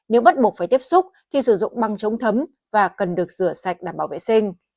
nếu bắt buộc phải tiếp xúc thì sử dụng băng chống thấm và cần được rửa sạch đảm bảo vệ sinh